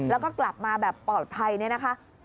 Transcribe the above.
แล้วก็กลับมาแบบปลอดภัยเนี่ยนะคะ